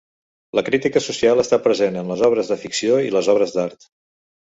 La crítica social està present en les obres de ficció i les obres d'art.